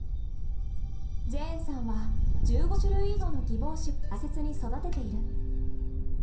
ジェーンさんは１５種類以上のギボウシを大切に育てている。